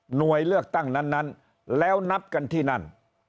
หน่วยเลือกตั้งนั้นแล้วนับกันที่นั่น